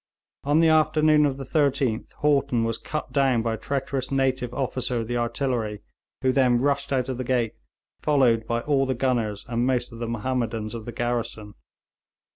On the afternoon of the 13th Haughton was cut down by a treacherous native officer of the artillery, who then rushed out of the gate, followed by all the gunners and most of the Mahommedans of the garrison.